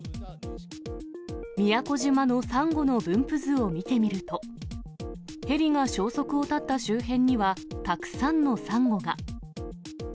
宮古島のサンゴの分布図を見てみると、ヘリが消息を絶った周辺には、たくさんのサンゴが。